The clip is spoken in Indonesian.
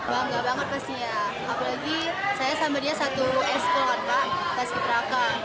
bangga banget pastinya apalagi saya sama dia satu eksploran pak paski berakat